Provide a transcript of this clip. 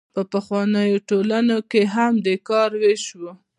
په پخوانیو ټولنو کې هم د کار ویش و.